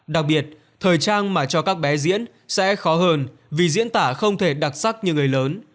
đặc biệt thời trang mà cho các bé diễn sẽ khó hơn vì diễn tả không thể đặc sắc như người lớn